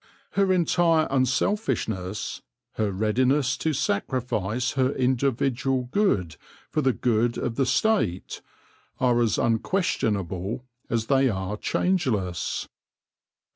Her entire unselfishness, her readiness to sacrifice her individual good for the good of the State, are as unquestionable as they are changeless.